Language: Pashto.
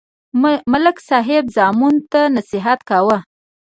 ملک صاحب زامنو ته نصیحت کاوه.